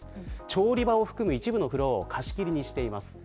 調理場を含む一部のフロアを貸し切りにしています。